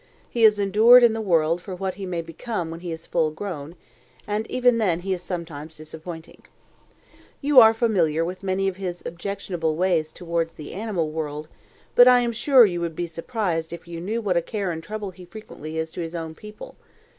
He is endured in the world for what he may become when he is full grown, and even then he is sometimes disappointing. You are familiar with many of his objectionable ways towards the animal world, but I am sure you would be surprised if you knew what a care and trouble he frequently is to his own people.